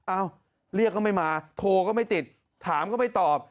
เอ้าเรียกก็ไม่มาโทรก็ไม่ติดถามก็ไม่ตอบ